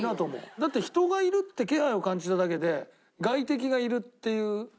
だって人がいるって気配を感じただけで外敵がいるっていう。